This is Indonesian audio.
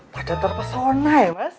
padahal terpesona ya mas